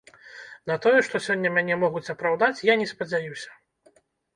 На тое, што сёння мяне могуць апраўдаць, я не спадзяюся.